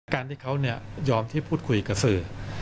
การที่เขายอมที่พูดคุยกับสื่อ